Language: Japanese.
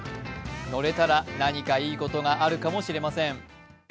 乗れたら何かいいことがあるかもしれません。